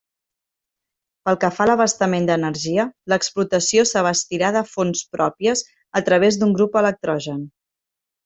Pel que fa a l'abastament d'energia, l'explotació s'abastirà de fonts pròpies, a través d'un grup electrogen.